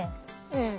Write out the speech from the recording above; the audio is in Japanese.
うん。